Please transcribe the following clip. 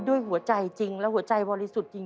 ด้วยหัวใจจริงและหัวใจบริสุทธิ์จริง